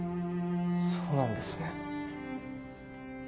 そうなんですね。